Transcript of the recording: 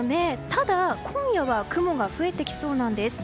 ただ、今夜は雲が増えてきそうなんです。